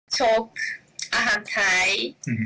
ชกอาหารไทย